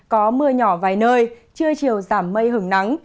có mưa nhỏ vài nơi trưa chiều giảm mây hứng nắng